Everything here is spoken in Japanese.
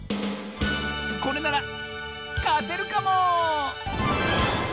これならかてるかも！